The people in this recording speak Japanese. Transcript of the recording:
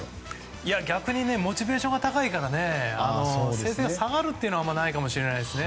逆にモチベーションが高いから成績が下がるということはあまりないかもしれないですね。